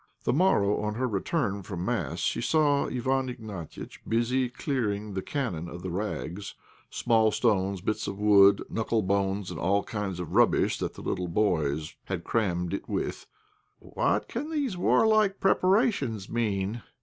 The morrow, on her return from mass, she saw Iwán Ignatiitch busy clearing the cannon of the rags, small stones, bits of wood, knuckle bones, and all kinds of rubbish that the little boys had crammed it with. "What can these warlike preparations mean?"